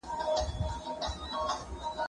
زه به سبا د ښوونځي کتابونه مطالعه کوم،